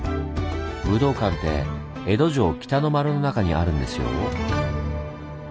武道館って江戸城北の丸の中にあるんですよ。